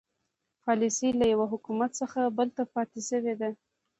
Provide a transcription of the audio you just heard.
پالیسي له یوه حکومت څخه بل ته پاتې شوې ده.